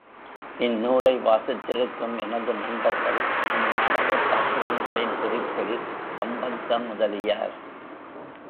இந்நூலை வாசித்திருக்கும் எனது நண்பர்கள், அந்நாடகப் பாத்திரங்களின் குறிப்பில் சம்பந்த முதலியார்!